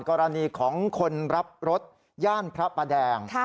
กรณีของคนรับรถย่านพระประแดง